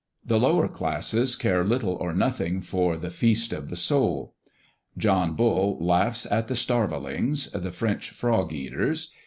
The lower classes care little or nothing for "the feast of the soul." John Bull laughs at the starvelings, the French frog eaters.